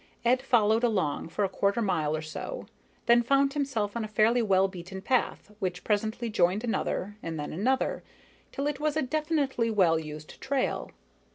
Ed followed along for a quarter mile or so, then found himself on a fairly well beaten path, which presently joined another, and then another, till it was a definitely well used trail.